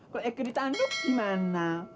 kalau ikut di tanduk gimana